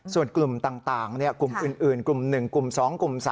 ส่วนกลุ่มต่างกลุ่มอื่นกลุ่ม๑กลุ่ม๒กลุ่ม๓